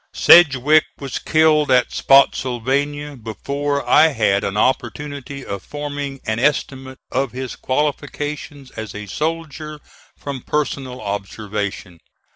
Sedgwick was killed at Spottsylvania before I had an opportunity of forming an estimate of his qualifications as a soldier from personal observation.